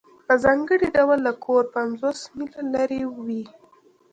په ځانګړي ډول که کور پنځوس میله لرې وي